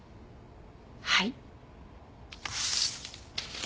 はい。